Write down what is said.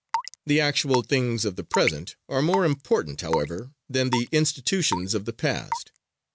The actual things of the present are more important, however, than the institutions of the past.